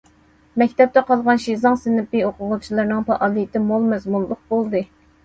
مەكتەپتە قالغان شىزاڭ سىنىپى ئوقۇغۇچىلىرىنىڭ پائالىيىتى مول مەزمۇنلۇق بولدى.